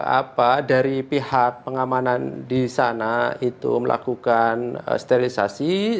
apa dari pihak pengamanan di sana itu melakukan sterilisasi